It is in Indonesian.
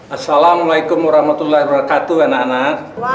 assalamualaikum warahmatullahi wabarakatuh anak anak